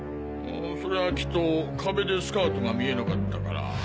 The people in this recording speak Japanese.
それはきっと壁でスカートが見えなかったから。